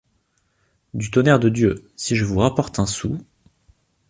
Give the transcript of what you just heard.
Du tonnerre de Dieu si je vous rapporte un sou !